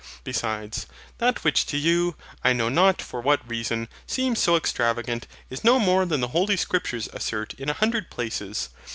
Besides, that which to you, I know not for what reason, seems so extravagant is no more than the Holy Scriptures assert in a hundred places.